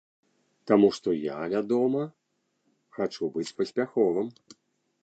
Таму што я, вядома, хачу быць паспяховым.